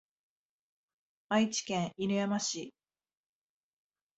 愛知県犬山市